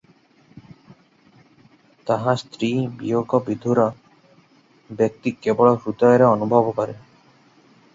ତାହା ସ୍ତ୍ରୀ ବିୟୋଗବିଧୂର ବ୍ୟକ୍ତି କେବଳ ହୃଦୟରେ ଅନୁଭବ କରେ ।